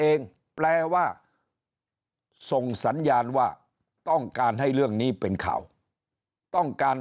แปลว่าส่งสัญญาณว่าต้องการให้เรื่องนี้เป็นข่าวต้องการ